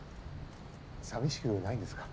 寂しくないんですか？